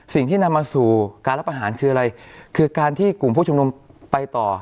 สิ่งที่นำมาสู่การรับประหารคืออะไรคือการที่กลุ่มผู้ชุมนุมไปต่อ